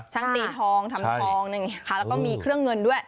ตีทองทำทองแล้วก็มีเครื่องเงินด้วย